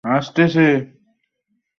উপার্জনের ভার তো আপনার হাতে।